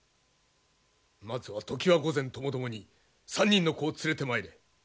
まずは常磐御前ともどもに３人の子を連れてまいれ。